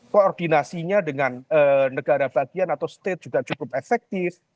koordinasinya dengan negara bagian atau state juga cukup efektif